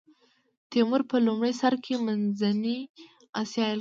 تیمور په لومړي سر کې منځنۍ اسیا ایل کړه.